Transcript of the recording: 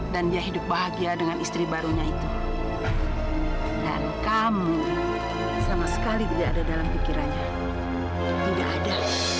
dan dia hidup bahagia dengan istri barunya itu dan kamu sama sekali tidak ada dalam pikirannya